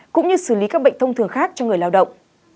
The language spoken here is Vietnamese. cũng như xử lý các bệnh thông thường khác cho người lao động